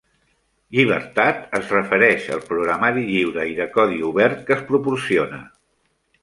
"Llibertat" es refereix al programari lliure i de codi obert que es proporciona.